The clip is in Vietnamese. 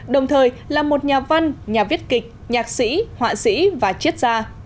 đồng thời là một nhà văn nhà viết kịch nhạc sĩ họa sĩ và chiết gia